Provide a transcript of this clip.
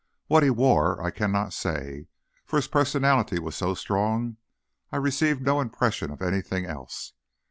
What he wore I cannot say, for his personality was so strong I received no impression of anything else.